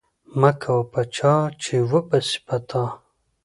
مه کوه په چا، چي وبه سي په تا